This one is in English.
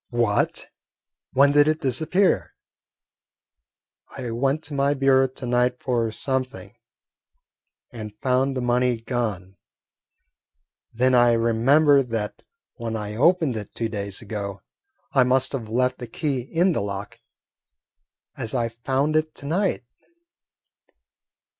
"What? When did it disappear?" "I went to my bureau to night for something and found the money gone; then I remembered that when I opened it two days ago I must have left the key in the lock, as I found it to night."